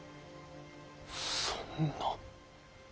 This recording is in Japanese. そんな。